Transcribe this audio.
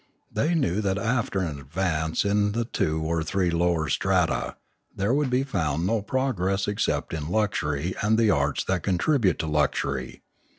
They knew that after an advance in the two or three lower strata, there would be found no progress except in luxury and the arts that contribute to luxury.